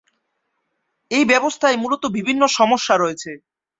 এই ব্যবস্থায় মূলত বিভিন্ন সমস্যা রয়েছে।